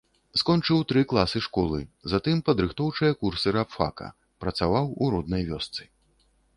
Скончыў тры класы школы, затым падрыхтоўчыя курсы рабфака, працаваў у роднай вёсцы.